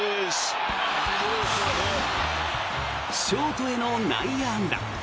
ショートへの内野安打。